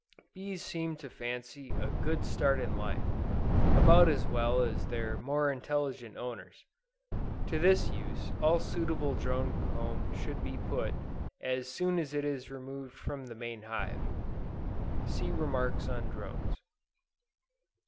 Bees seem to fancy a good start in life, about as well as their more intelligent owners. To this use all suitable drone comb should be put, as soon as it is removed from the main hive. (See remarks on Drones.)